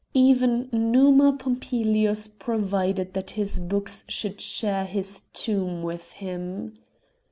Even Numa Pompilius provided that his books should share his tomb with him.